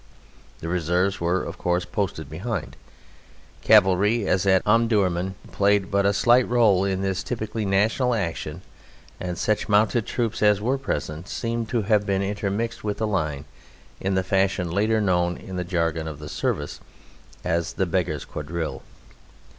The reserves were, of course, posted behind. Cavalry, as at Omdurman, played but a slight role in this typically national action and such mounted troops as were present seem to have been intermixed with the line in the fashion later known, in the jargon of the service, as "The Beggar's Quadrille."